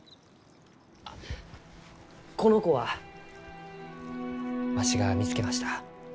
あこの子はわしが見つけました。